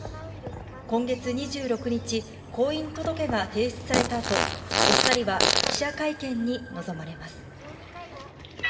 今月２６日、婚姻届が提出されたあと、お２人は記者会見に臨まれます。